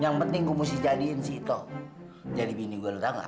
yang penting gue mesti jadiin si ito jadi bini gue lho tahu gak